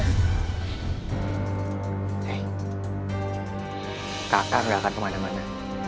hei kakak gak akan kemana mana